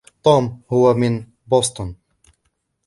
توم هو من بوستون.